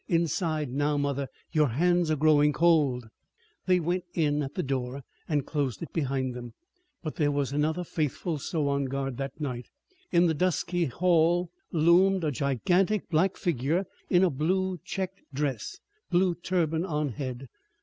Inside now, mother, your hands are growing cold." They went in at the door, and closed it behind them. But there was another faithful soul on guard that night. In the dusky hail loomed a gigantic black figure in a blue checked dress, blue turban on head.